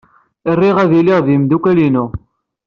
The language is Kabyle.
Riɣ ad iliɣ ed yimeddukal-inu.